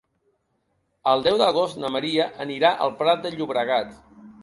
El deu d'agost na Maria anirà al Prat de Llobregat.